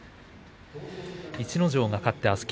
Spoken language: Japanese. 逸ノ城が勝ってあす霧